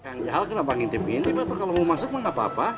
yang jahal kenapa ngintipin tiba tiba kalau mau masuk mengapa apa